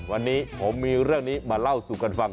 วันนี้ผมมีเรื่องนี้มาเล่าสู่กันฟัง